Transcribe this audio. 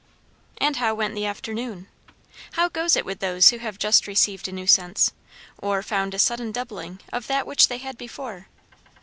And how went the afternoon? How goes it with those who have just received a new sense, or found a sudden doubling of that which they had before?